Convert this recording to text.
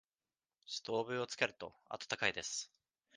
ストーブをつけると、暖かいです。